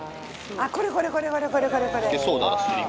「これこれこれこれこれこれこれ！」